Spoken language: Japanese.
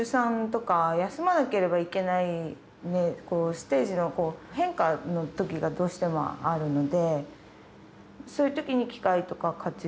ステージの変化のときがどうしてもあるので。